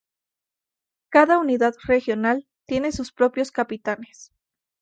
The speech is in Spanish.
Cada unidad regional tiene sus propios capitanes.